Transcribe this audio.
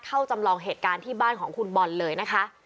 จำลองเหตุการณ์ที่บ้านของคุณบอลเลยนะคะ